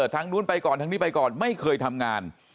ทางนู้นไปก่อนทางนี้ไปก่อนไม่เคยทำงาน